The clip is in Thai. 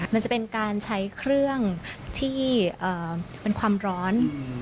มันจะเป็นการใช้เครื่องที่เป็นความร้อน